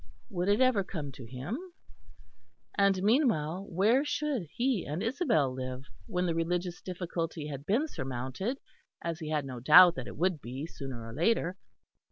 Would it ever come to him? And, meanwhile where should he and Isabel live, when the religious difficulty had been surmounted, as he had no doubt that it would be sooner or later?